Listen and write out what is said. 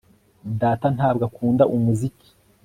Data ntabwo akunda umuziki